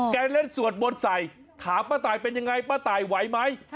เล่นสวดมนต์ใส่ถามป้าตายเป็นยังไงป้าตายไหวไหม